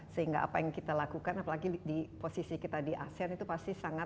sehingga apa yang kita lakukan apalagi di posisi kita di asean itu pasti sangat